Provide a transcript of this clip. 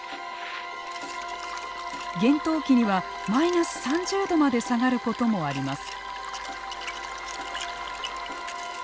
厳冬期にはマイナス３０度まで下がることもあります。